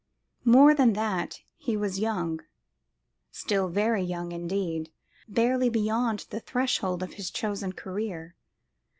More than that, he was young, still very young indeed, barely beyond the threshold of his chosen career.